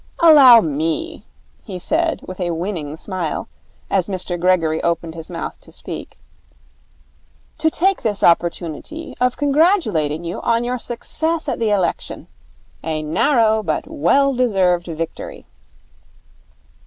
'Allow me,' he said with a winning smile, as Mr Gregory opened his mouth to speak, 'to take this opportunity of congratulating you on your success at the election. A narrow but well deserved victory.'